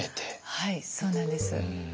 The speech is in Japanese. はいそうなんです。